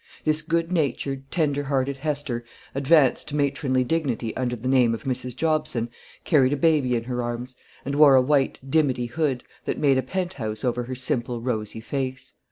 This good natured, tender hearted Hester, advanced to matronly dignity under the name of Mrs. Jobson, carried a baby in her arms, and wore a white dimity hood, that made a penthouse over her simple rosy face.